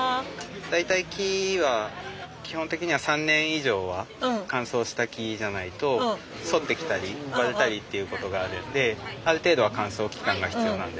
大体木は基本的には３年以上は乾燥した木じゃないと反ってきたり割れたりっていう事があるんである程度は乾燥期間が必要なんです。